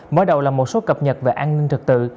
mới đầu là một số cập nhật về an ninh trật tự